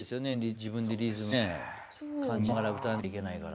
自分でリズムね感じながら歌わなきゃいけないから。